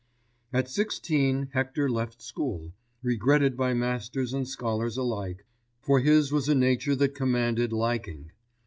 At sixteen Hector left school, regretted by masters and scholars alike, for his was a nature that commanded liking.